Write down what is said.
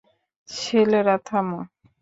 ছেলেরা, থামো।